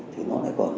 thì nó lại còn